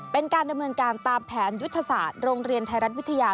เป็นการดำเนินการตามแผนยุทธศาสตร์โรงเรียนไทยรัฐวิทยา